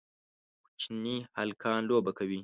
کوچني هلکان لوبه کوي